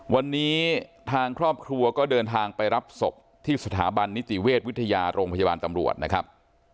วันนี้ทางครอบครัวก็เดินทางไปรับศพที่สถาบันนิติเวชวิทยาโรงพยาบาลตำรวจนะครับ